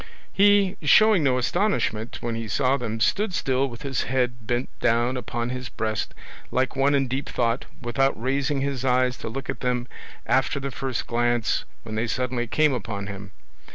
He, showing no astonishment when he saw them, stood still with his head bent down upon his breast like one in deep thought, without raising his eyes to look at them after the first glance when they suddenly came upon him.